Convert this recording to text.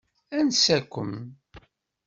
Ansa-kem?